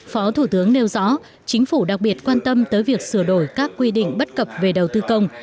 phó thủ tướng nêu rõ chính phủ đặc biệt quan tâm tới việc sửa đổi các quy định bất cập về đầu tư công